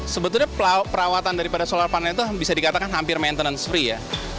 sebetulnya perawatan daripada solar panel itu bisa dikatakan hampir maintenance free ya